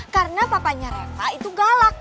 karena papanya refah itu galak